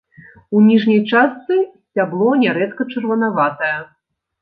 У ніжняй частцы сцябло нярэдка чырванаватае.